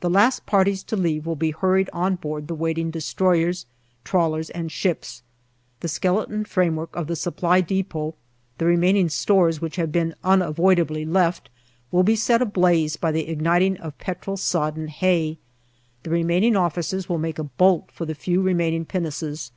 The last parties to leave will be hurried on board the waiting destroyers, trawlers, and ships ; the skeleton framework of the Supply depot, the remaining stores which have been unavoidably left, will be set ablaze by the igniting of petrol sodden hay. The remaining officers will make a bolt for the few remaining pinnaces.